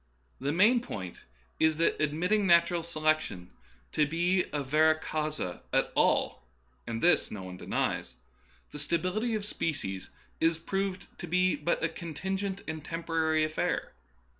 The main point is that, admitting nat ural selection to be a vera causa at all (and this no one denies), the stability of species is proved to be but a contingent and temporary affair.